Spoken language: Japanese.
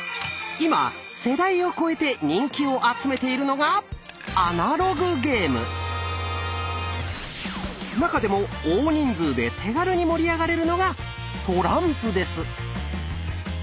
今世代を超えて人気を集めているのが中でも大人数で手軽に盛り上がれるのがトランプです。